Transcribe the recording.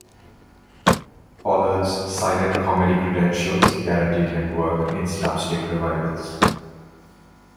Pollard's silent-comedy credentials guaranteed him work in slapstick revivals.